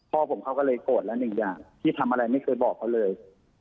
พ่อผมเขาก็เลยโกรธแล้วหนึ่งอย่างที่ทำอะไรไม่เคยบอกเขาเลย